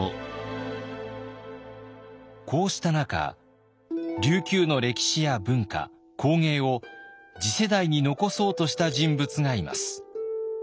こうした中琉球の歴史や文化工芸を次世代に残そうとした人物がいます。